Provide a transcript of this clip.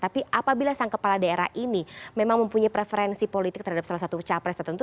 tapi apabila sang kepala daerah ini memang mempunyai preferensi politik terhadap salah satu capres tertentu